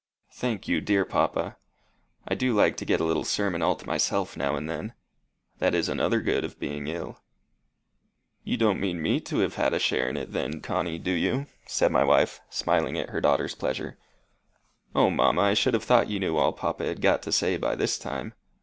"Thank you, dear papa. I do like to get a little sermon all to myself now and then. That is another good of being ill." "You don't mean me to have a share in it, then, Connie, do you?" said my wife, smiling at her daughter's pleasure. "O, mamma! I should have thought you knew all papa had got to say by this time.